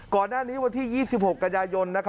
ก่อนหน้านี้วันที่๒๖กันยายน